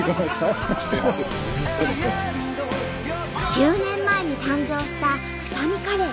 ９年前に誕生した二海カレー。